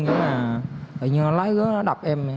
tự nhiên lái gỡ nó đập em